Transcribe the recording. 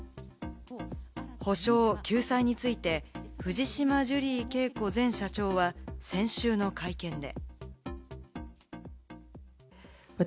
補償・救済について、藤島ジュリー景子前社長は、先週の会見で。